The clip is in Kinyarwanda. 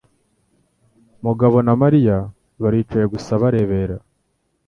Mugabo na Mariya baricaye gusa bareba.